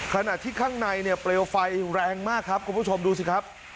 ขณะที่ข้างในเนี่ยเปลวไฟแรงมากครับคุณผู้ชมดูสิครับ